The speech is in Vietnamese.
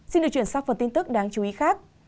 xin được chuyển sang phần tin tức đáng chú ý khác